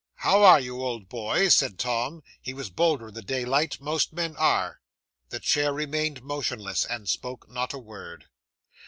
'"How are you, old boy?" said Tom. He was bolder in the daylight most men are. 'The chair remained motionless, and spoke not a word.